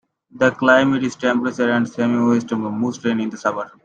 The climate is temperate and semi-moist with most rain in the summer.